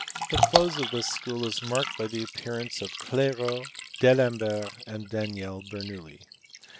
The close of this school is marked by the appearance of Clairaut, D Alembert, and Daniel Bernoulli.